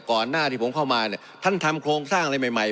หน้าที่ผมเข้ามาเนี่ยท่านทำโครงสร้างอะไรใหม่ใหม่